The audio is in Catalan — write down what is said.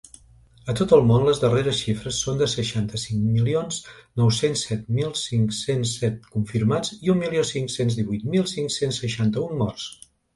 A tot el món, les darreres xifres són de seixanta-cinc milions nou-cents set mil cinc-cents set confirmats i un milió cinc-cents divuit mil cinc-cents seixanta-un morts.